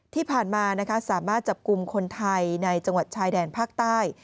ที่ผ่านมาสามารถจับกลุ่มคนไทยในจังหวัดชายแดนภาคใต้